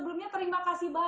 sebelumnya terima kasih banget